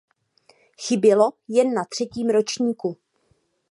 Chybělo jen na třetím ročníku.